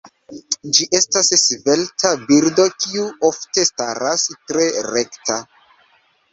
Ĝi estas svelta birdo kiu ofte staras tre rekta.